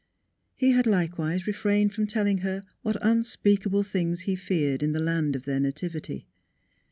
He had likewise refrained from telling her what unspeakable things he feared in the land of their nativity.